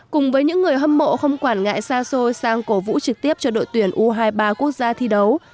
cùng với những người hâm mộ không quản ngại xa xôi sang cổ vũ trực tiếp cho đội tuyển u hai mươi ba quốc gia thi đấu